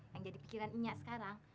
yang jadi pikiran minyak sekarang